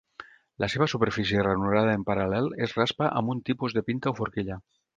La seva superfície ranurada en paral·lel es raspa amb un tipus de pinta o forquilla.